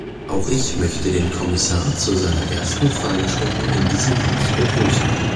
Auch ich möchte den Kommissar zu seiner ersten Fragestunde in diesem Haus begrüßen.